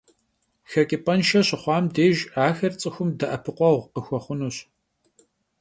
Xeç'ıp'enşşe şixuam dêjj axer ts'ıxum de'epıkhueğu khıxuexhunuş.